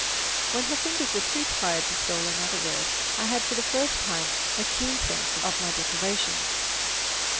When her fingers were too tired to spell another word, I had for the first time a keen sense of my deprivations.